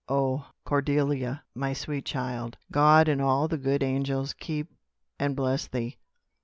"Oh, Cordelia, my sweet child! God and all the good angels keep and bless thee!"